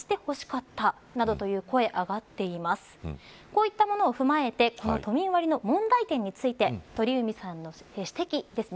こういったものを踏まえて都民割の問題点について鳥海さんの指摘です。